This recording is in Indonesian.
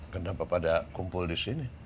kenapa pada kumpul di sini